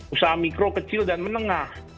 usaha mikro kecil dan menengah